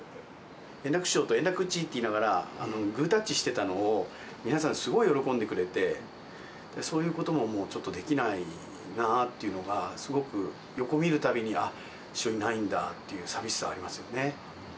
円楽師匠と、円楽っちって言いながら、グータッチしていたのを皆さん、すごい喜んでくれて、そういうことも、もうちょっとできないなぁっていうのが、すごく横見るたびに、あっ、師匠いないんだっていう寂しさはありますよね。